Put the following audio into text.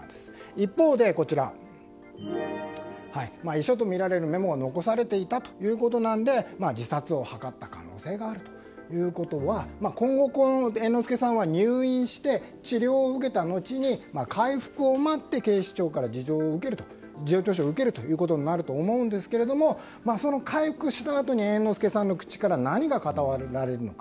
一方で、遺書とみられるメモを残されていたということなので自殺を図った可能性があるということは今後、猿之助さんは入院して治療を受けた後に回復を待って警視庁から事情聴取を受けることになると思うんですけれども回復したあとに猿之助さんの口から何が語られるのか。